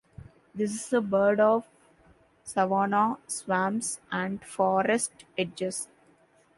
This is a bird of savanna, swamps and forest edges.